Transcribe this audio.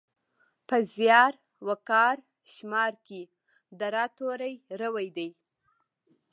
په زیار، وقار، شمار کې د راء توری روي دی.